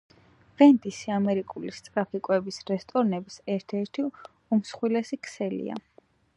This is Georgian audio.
ვენდისი ამერიკული სწრაფი კვების რესტორნების ერთ-ერთი უმსხვილესი ქსელია